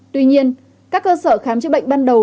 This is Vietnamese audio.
tuy nhiên các cơ sở khám chữa bệnh ban đầu